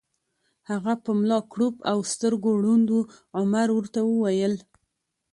هغه په ملا کړوپ او سترګو ړوند و، عمر ورته وویل: